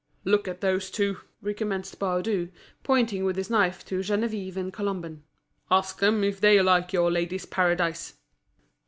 "Look at those two," recommenced Baudu, pointing with his knife to Geneviève and Colomban, "Ask them if they like your Ladies'' Paradise."